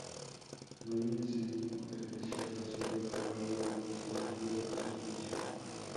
No hay un diseño especial o símbolo grabado en el dispositivo de suspensión.